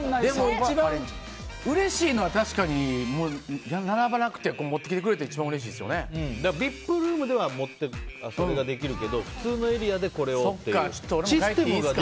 一番うれしいのは確かに並ばなくてもってきてくれるのがＶＩＰルームではそれができるけど普通のエリアでこれをというのは。